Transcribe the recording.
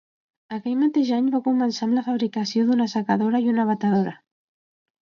Aquell mateix any va començar amb la fabricació d'una assecadora i una batedora.